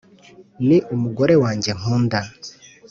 ni umugore wanjye nkunda.